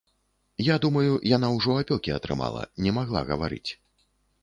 Я думаю, яна ўжо апёкі атрымала, не магла гаварыць.